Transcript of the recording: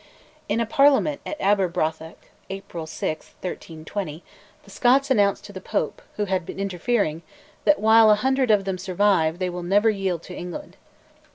In a Parliament at Aberbrothock (April 6, 1320) the Scots announced to the Pope, who had been interfering, that, while a hundred of them survive, they will never yield to England.